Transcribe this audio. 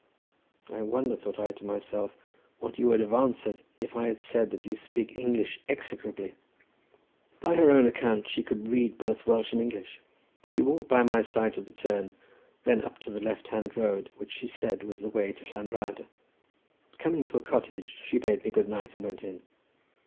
"I wonder," thought I to myself, "what you would have answered if I had said that you speak English execrably." By her own account, she could read both Welsh and English. She walked by my side to the turn, and then up the left hand road, which she said was the way to Llan Rhyadr. Coming to a cottage, she bade me good night, and went in.